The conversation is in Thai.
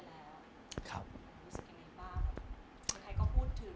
รู้สึกยังไงบ้างเขียนใครก็พูดถึง